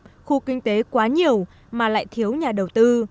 trong khu công nghiệp khu kinh tế quá nhiều mà lại thiếu nhà đầu tư